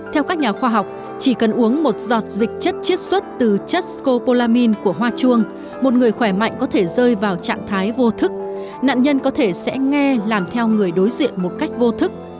theo các nhà khoa học chỉ cần uống một giọt dịch chất chiết xuất từ chất scopolamin của hoa chuông một người khỏe mạnh có thể rơi vào trạng thái vô thức nạn nhân có thể sẽ nghe làm theo người đối diện một cách vô thức